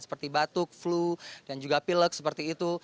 seperti batuk flu dan juga pilek seperti itu